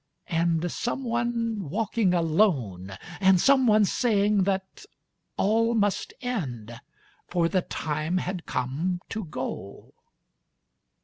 And someone walking alone; and someone saying That all must end, for the time had come to go